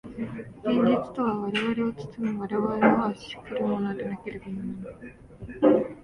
現実とは我々を包み、我々を圧し来るものでなければならない。